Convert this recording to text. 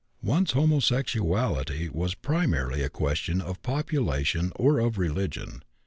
Once homosexuality was primarily a question of population or of religion.